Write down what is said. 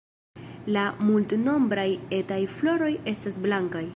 La multnombraj etaj floroj estas blankaj.